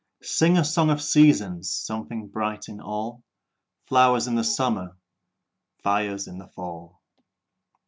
Sing a song of seasons! Something bright in all! Flowers in the summer, Fires in the fall!